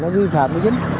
nó ghi phạm